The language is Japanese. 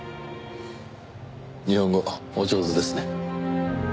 日本語お上手ですね。